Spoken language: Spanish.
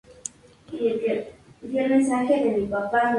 De nombre completo es Martin David Holley.